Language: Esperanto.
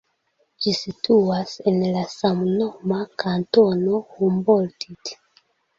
Ĝi situas en la samnoma kantono Humboldt.